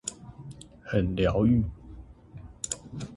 很療癒